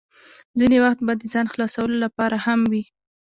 ځینې وخت به د ځان خلاصولو لپاره هم وې.